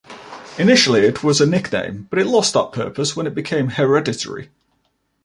Initially, it was a nickname, but it lost that purpose when it became hereditary.